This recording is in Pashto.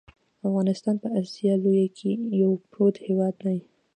افغانستان په اسیا لویه کې یو پروت هیواد دی .